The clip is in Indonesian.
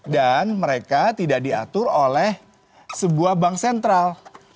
dan mereka tidak diatur oleh sebuah bank sentral